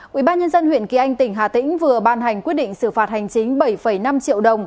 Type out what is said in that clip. quỹ ban nhân dân huyện kỳ anh tỉnh hà tĩnh vừa ban hành quyết định xử phạt hành chính bảy năm triệu đồng